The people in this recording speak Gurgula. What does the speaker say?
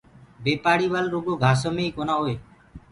بي پآڙيِ ول رُگو گھآسو مي ئي ڪونآ هئي۔